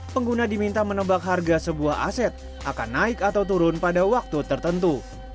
pengguna diminta menebak harga sebuah aset akan naik atau turun pada waktu tertentu